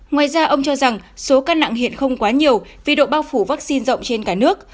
ngoài ra ông cho rằng số ca nặng hiện không quá nhiều vì độ bao phủ vaccine rộng trên cả nước